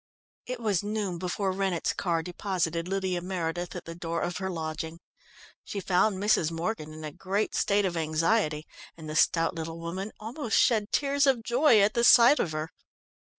It was noon before Rennett's car deposited Lydia Meredith at the door of her lodging. She found Mrs. Morgan in a great state of anxiety, and the stout little woman almost shed tears of joy at the sight of her.